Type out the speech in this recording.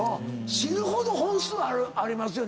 死ぬほど本数ありますよね。